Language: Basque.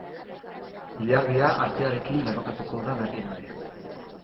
Ilargia artearekin lerrokatuko da berriro ere.